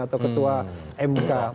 atau ketua mk